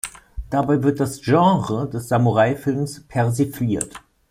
Dabei wird das Genre des Samurai-Films persifliert.